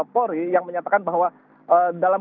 polri yang menyatakan bahwa dalam